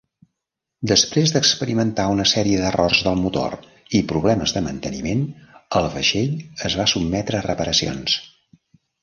Després d'experimentar una sèrie d'errors del motor i problemes de manteniment, el vaixell es va sotmetre a reparacions.